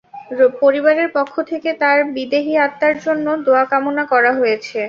পরিবারের পক্ষ থেকে তাঁর বিদেহী আত্মার জন্য দোয়া কামনা করা হয়েছে।